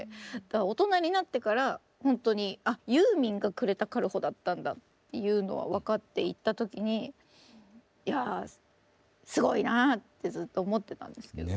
大人になってからほんとにあユーミンが呉田軽穂だったんだっていうのは分かっていった時にいやあすごいなあってずっと思ってたんですけど。